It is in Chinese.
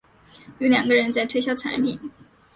有两个人在推销产品